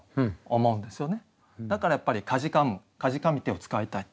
だからやっぱり「悴む」「悴みて」を使いたい。